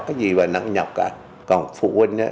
cái gì mà nặng nhọc cả còn phụ huynh